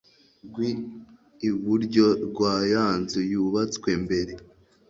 rw iburyo rwa ya nzu yubatswe mbere